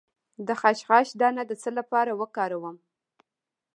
د خشخاش دانه د څه لپاره وکاروم؟